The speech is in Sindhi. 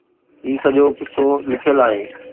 هي سڄو قصو لکيل آهي.